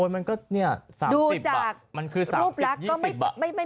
มันก็๓๐บาทมันคือ๓๐๒๐บาท